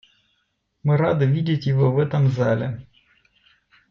Мы рады видеть его в этом зале.